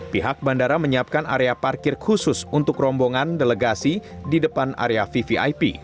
pihak bandara menyiapkan area parkir khusus untuk rombongan delegasi di depan area vvip